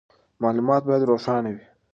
معلومات باید روښانه وي.